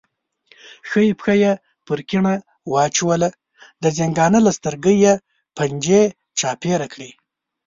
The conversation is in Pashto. ښي پښه یې پر کیڼه واچوله، د زنګانه له سترګې یې پنجې چاپېره کړې.